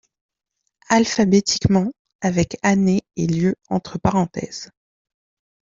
Alphabétiquement, avec année et lieu entre parenthèses.